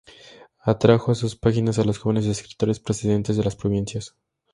Atrajo a sus páginas a los jóvenes escritores procedentes de las provincias.